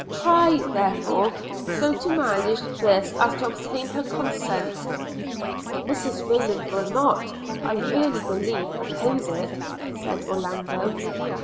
Try, therefore, so to manage this as to obtain her consent.' 'Mrs Rayland will not, I really believe, oppose it,' said Orlando.